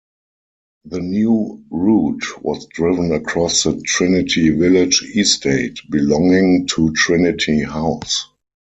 The new route was driven across the Trinity Village estate, belonging to Trinity House.